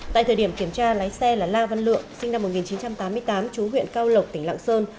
tại thời điểm kiểm tra lái xe là la văn lượng sinh năm một nghìn chín trăm tám mươi tám chú huyện cao lộc tỉnh lạng sơn